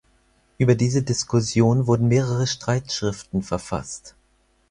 Über diese Diskussion wurden mehrere Streitschriften verfasst.